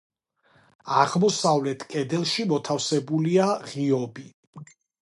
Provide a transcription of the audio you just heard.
აღმოსავლეთ კედელში მოთავსებულია ღიობი.